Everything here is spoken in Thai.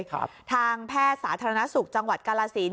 ทางแพทย์สาธารณสุขจังหวัดกาลสิน